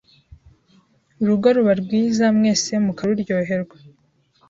urugo ruba rwiza mwese mukaruryoherwa.